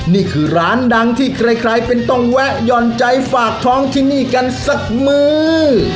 นี่คือร้านดังที่ใครเป็นต้องแวะหย่อนใจฝากท้องที่นี่กันสักมื้อ